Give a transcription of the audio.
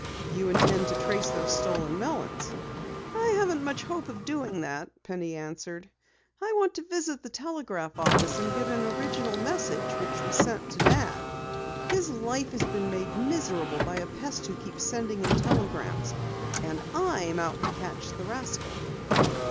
"You intend to trace those stolen melons?" "I haven't much hope of doing that," Penny answered. "I want to visit the telegraph office and get an original message which was sent to Dad. His life has been made miserable by a pest who keeps sending him telegrams, and I'm out to catch the rascal."